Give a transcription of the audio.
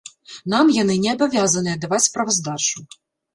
Нам яны не абавязаныя даваць справаздачу.